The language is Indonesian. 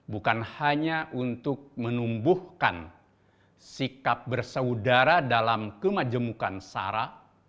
bukan hanya untuk menumbuhkan sikap bersaudara dalam kemajemukan sara